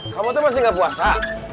kamu tuh masih gak puasa